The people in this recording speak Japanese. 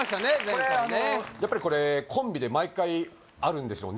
前回ねやっぱりこれコンビで毎回あるんですよ